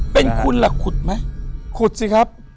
เป็นคุณล่ะขุดไหมขุดสิครับ